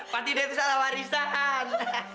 pasti dia itu salah warisan